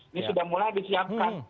ini sudah mulai disiapkan